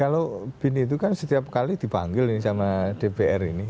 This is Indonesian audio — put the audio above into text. kalau bin itu kan setiap kali dipanggil ini sama dpr ini